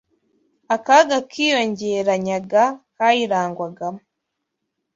akaga kiyongeranyaga kayirangwagamo